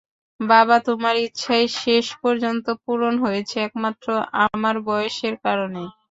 বাবা, তোমার ইচ্ছাই শেষ পর্যন্ত পূরণ হয়েছে একমাত্র আমার বয়সের কারণেই।